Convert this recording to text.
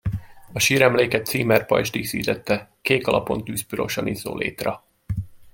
A síremléket címerpajzs díszítette kék alapon tűzpirosan izzó létra.